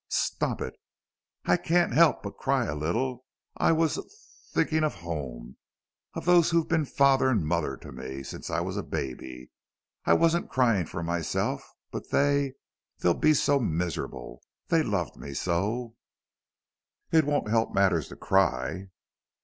"Stop it." "I can't help but cry a little. I was th thinking of home of those who've been father and mother to me since I was a baby. I wasn't crying for myself. But they they'll be so miserable. They loved me so." "It won't help matters to cry."